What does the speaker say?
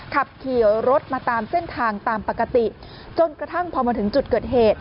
ขับขี่รถมาตามเส้นทางตามปกติจนกระทั่งพอมาถึงจุดเกิดเหตุ